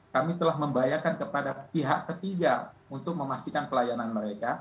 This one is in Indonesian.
kami telah membayarkan kepada pihak ketiga untuk memastikan pelayanan mereka